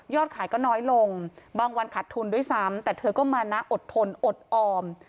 ขายก็น้อยลงบางวันขาดทุนด้วยซ้ำแต่เธอก็มานะอดทนอดออม